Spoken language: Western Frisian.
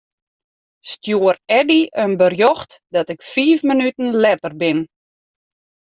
Stjoer Eddy in berjocht dat ik fiif minuten letter bin.